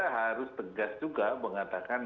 harus tegas juga mengatakan